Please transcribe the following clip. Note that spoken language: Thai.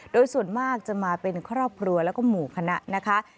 โดยส่วนมากจะมาเป็นครอบครัวแล้วก็หมู่คณะนะคะ